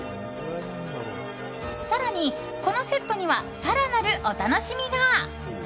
更に、このセットには更なるお楽しみが。